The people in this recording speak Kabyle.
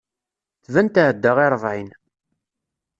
Tban tɛedda i ṛebɛin.